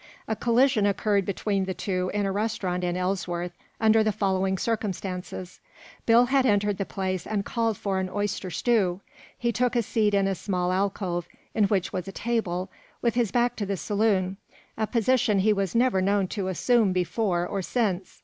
A collision occurred between the two in a restaurant in Ellsworth, under the following circumstances: Bill had entered the place and called for an oyster stew. He took a seat in a small alcove, in which was a table, with his back to the saloon, a position he was never known to assume before or since.